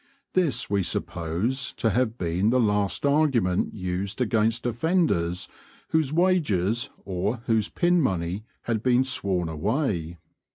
This we suppose to have been the last argument used against offenders whose wages or whose pin money had been sworn away.